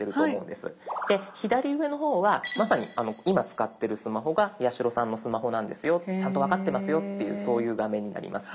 左上の方はまさに今使ってるスマホが八代さんのスマホなんですよちゃんと分かってますよっていうそういう画面になります。